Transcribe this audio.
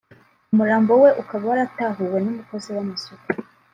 umurambo we ukaba waratahuwe n’umukozi w’amasuku